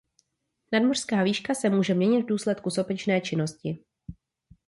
Nadmořská výška se může měnit v důsledku sopečné činnosti.